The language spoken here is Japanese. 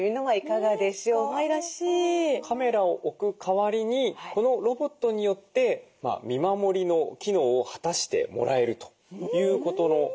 カメラを置く代わりにこのロボットによって見守りの機能を果たしてもらえるということのようなんですけれども。